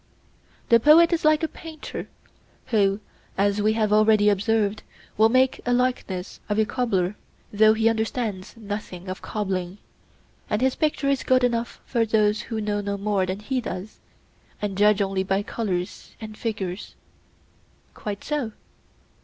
The poet is like a painter who, as we have already observed, will make a likeness of a cobbler though he understands nothing of cobbling; and his picture is good enough for those who know no more than he does, and judge only by colours and figures. Quite so.